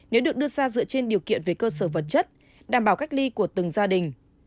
nếu được đưa ra dựa trên điều kiện về cơ sở vật chất đảm bảo cách ly của từng gia đình